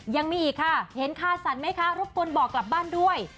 ยังมีอีกค่ะเห็นคาสันไหมคะรบกวนบอกกลับบ้านด้วย